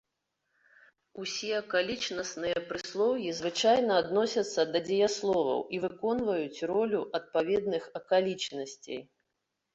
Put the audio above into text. Усе акалічнасныя прыслоўі звычайна адносяцца да дзеясловаў і выконваюць ролю адпаведных акалічнасцей.